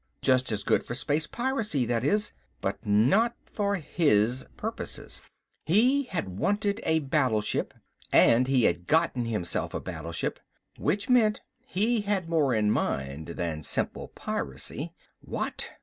Just as good for space piracy, that is but not for his purposes. He had wanted a battleship, and he had gotten himself a battleship. Which meant he had more in mind than simple piracy. What?